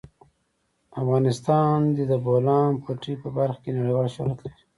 افغانستان د د بولان پټي په برخه کې نړیوال شهرت لري.